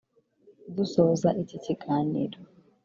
Dusoza iki kiganiro